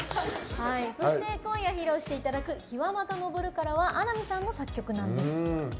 そして今夜、披露していただく「陽はまた昇るから」は穴見さんの作曲なんです。